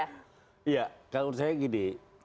kalau menurut saya gini